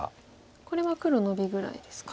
これは黒ノビぐらいですか。